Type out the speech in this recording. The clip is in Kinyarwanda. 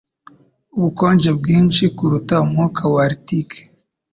Ubukonje bwinshi kuruta umwuka wa Arctique